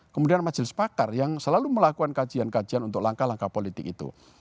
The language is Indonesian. kemudian majelis pakar yang selalu melakukan kajian kajian untuk langkah langkah politik itu